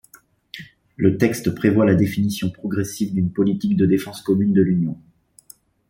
Le texte prévoit la définition progressive d’une politique de défense commune de l’Union.